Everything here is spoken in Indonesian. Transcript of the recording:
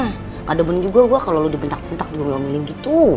gak ada bener juga gue kalo lu dipintak pintak diomelin gitu